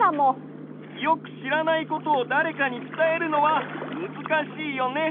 よくしらないことをだれかにつたえるのはむずかしいよね。